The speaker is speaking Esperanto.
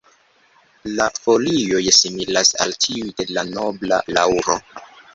La folioj similas al tiuj de la nobla laŭro.